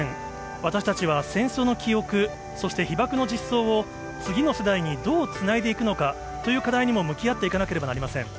私たちは、戦争の記憶、そして被爆の実相を次の世代にどうつないでいくのかという課題にも向き合っていかなければなりません。